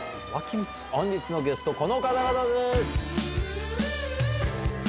本日のゲストこの方々です！